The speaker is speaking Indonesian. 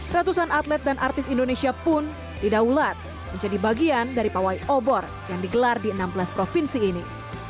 ratusan atlet dan artis indonesia pun didaulat menjadi bagian dari pawai obor yang digelar di enam belas provinsi ini